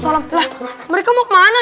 lah mereka mau kemana